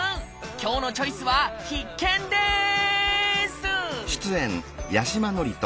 今日の「チョイス」は必見です！